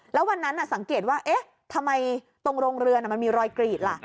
แล้ววันนั้นสังเกตว่าเอ๊ะทำไมตรงโรงเรือนมันมีรอยกรีดล่ะ